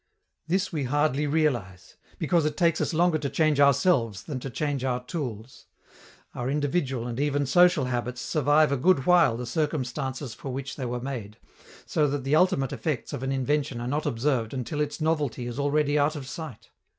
This we hardly realize, because it takes us longer to change ourselves than to change our tools. Our individual and even social habits survive a good while the circumstances for which they were made, so that the ultimate effects of an invention are not observed until its novelty is already out of sight.